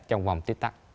trong vòng tiếp tắc